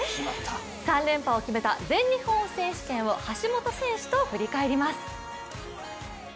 ３連覇を決めた全日本選手権を橋本選手と振り返ります。